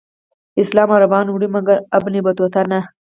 اسلام عربانو وړی مګر ابن بطوطه نه.